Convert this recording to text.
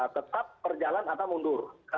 tetap berjalan atau mundur